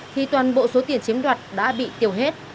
thì toàn bộ số tiền chiếm đoạt đã bị tiêu hết